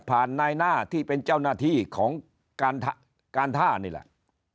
นายหน้าที่เป็นเจ้าหน้าที่ของการท่านี่แหละ